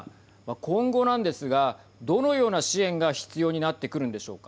今後なんですがどのような支援が必要になってくるんでしょうか。